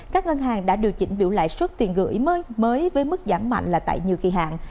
các ngân hàng đã điều chỉnh biểu lãi suất tiền gửi mới mới với mức giảm mạnh là tại nhiều kỳ hạn